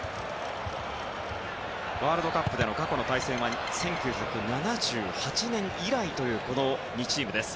ワールドカップでの過去の対戦は１９７８年以来というこの２チームです。